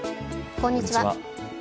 こんにちは。